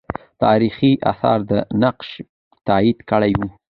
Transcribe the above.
تاریخي آثار دا نقش تایید کړی وو.